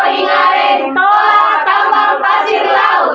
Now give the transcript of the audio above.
amin kerempuan menjual keringare